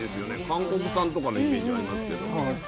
韓国産とかのイメージありますけど。